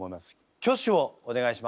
挙手をお願いします。